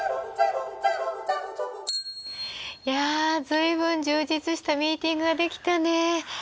いや随分充実したミーティングができたね。